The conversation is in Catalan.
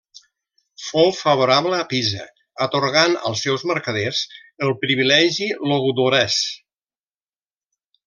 Fou favorable a Pisa, atorgant als seus mercaders el Privilegi Logudorès.